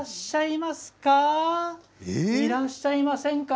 いらっしゃいませんか？